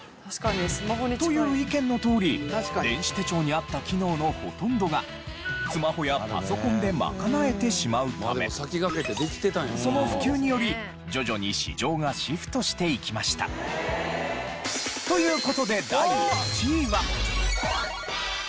という意見のとおり電子手帳にあった機能のほとんどがスマホやパソコンで賄えてしまうためその普及によりという事で第１位は。